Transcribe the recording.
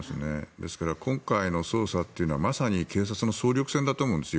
ですから、今回の捜査というのはまさに警察の総力戦だと思うんですよ。